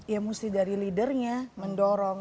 ya mesti dari leadernya mendorong